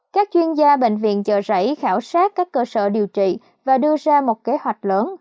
các chuyên gia bệnh viện chợ rẫy khảo sát các cơ sở điều trị và đưa ra một kế hoạch lớn